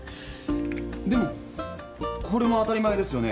でもこれも当たり前ですよね？